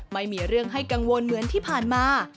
ไม่มีเรื่องให้กังวลเหมือนที่ผ่านมา